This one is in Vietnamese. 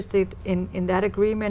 tôi là nhật linh